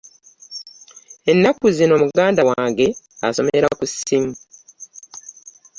Ennaku zino muganda wange asomera ku simu.